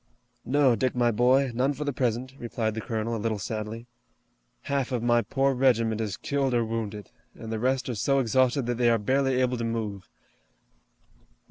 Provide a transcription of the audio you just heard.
"No, Dick, my boy, none for the present," replied the colonel, a little sadly. "Half of my poor regiment is killed or wounded, and the rest are so exhausted that they are barely able to move.